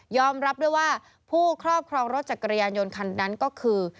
รับด้วยว่าผู้ครอบครองรถจักรยานยนต์คันนั้นก็คือ